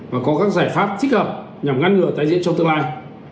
và có các giải pháp thích hợp nhằm ngăn ngựa tái diện trong tương lai